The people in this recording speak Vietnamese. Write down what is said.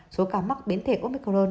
số ca mắc biến thể omicron